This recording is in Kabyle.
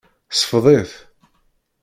Ṣfeḍ-it.